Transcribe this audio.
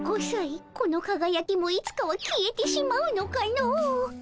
さいこのかがやきもいつかは消えてしまうのかの。